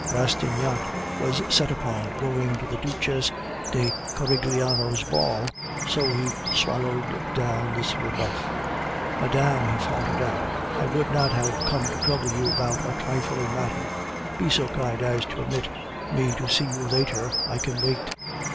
Rastignac was set upon going to the Duchesse de Carigliano's ball, so he swallowed down this rebuff. "Madame," he faltered out, "I would not have come to trouble you about a trifling matter; be so kind as to permit me to see you later, I can wait."